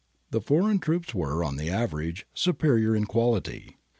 ^ The foreign troops were, on the average, superior in quality.